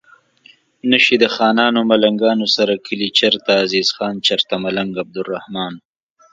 نه شي د خانانو ملنګانو سره کلي چرته عزیز خان چرته ملنګ عبدالرحمان